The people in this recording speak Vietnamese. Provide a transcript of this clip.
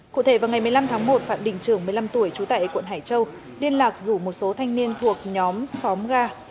cụ thể vào ngày một mươi năm tháng một phạm đình trường một mươi năm tuổi trú tại quận hải châu liên lạc rủ một số thanh niên thuộc nhóm xóm ga